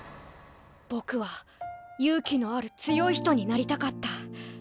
ぼくは勇気のある強い人になりたかった。